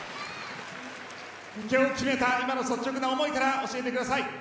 今の率直な思いから教えてください。